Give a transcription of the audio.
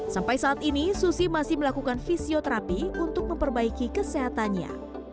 sampai saat ini susi masih melakukan fisioterapi untuk memperbaiki kesehatannya